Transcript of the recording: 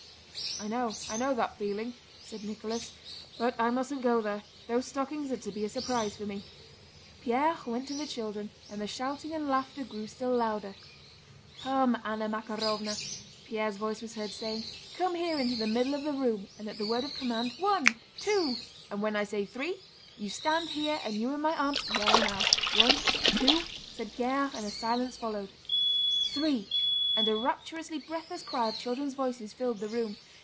"I know! I know that feeling," said Nicholas. "But I mustn't go there—those stockings are to be a surprise for me." Pierre went to the children, and the shouting and laughter grew still louder. "Come, Anna Makárovna," Pierre's voice was heard saying, "come here into the middle of the room and at the word of command, 'One, two,' and when I say 'three'... You stand here, and you in my arms—well now! One, two!..." said Pierre, and a silence followed: "three!" and a rapturously breathless cry of children's voices filled the room.